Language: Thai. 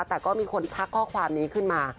แต่ก็มีคนทักข้อความนี้ขึ้นมา